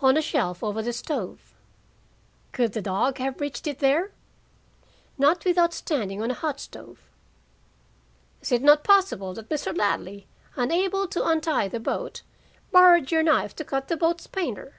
"On a shelf over the stove." "Could the dog have reached it there?" "Not without standing on a hot stove." "Is it not possible that Mr. Ladley, unable to untie the boat, borrowed your knife to cut the boat's painter?"